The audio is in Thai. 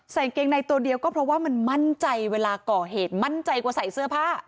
เกงในตัวเดียวก็เพราะว่ามันมั่นใจเวลาก่อเหตุมั่นใจกว่าใส่เสื้อผ้า